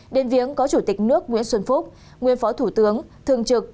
đến viếng có chủ tịch nước nguyễn xuân phúc nguyên phó thủ tướng thường trực